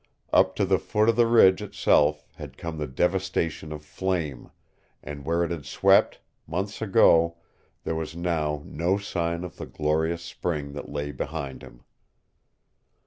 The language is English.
Up to the foot of the ridge itself had come the devastation of flame, and where it had swept, months ago, there was now no sign of the glorious spring that lay behind him.